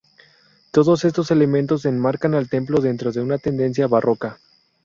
Todos estos elementos enmarcan al templo dentro de una tendencia barroca.